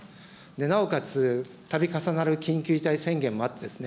なおかつ、たび重なる緊急事態宣言もあってですね、